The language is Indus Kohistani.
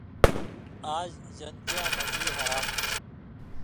آج جنتیان مزی ہرا تھہ